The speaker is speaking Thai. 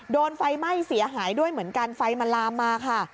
โดนไฟไหม้เสียหายด้วยเหมือนกันไฟมันลามมาค่ะ